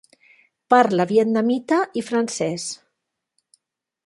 Parla vietnamita i francès.